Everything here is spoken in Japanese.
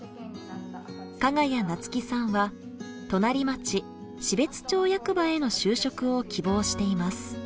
加賀谷夏希さんは隣町標津町役場への就職を希望しています。